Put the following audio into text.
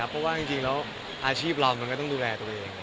เพราะว่าจริงแล้วอาชีพเรามันก็ต้องดูแลตัวเอง